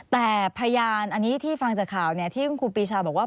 แต่พยานอันนี้ที่ฟังจากข่าวที่คุณครูปีชาบอกว่า